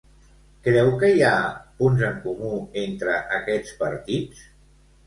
Creu que hi ha punts en comú entre aquests partits?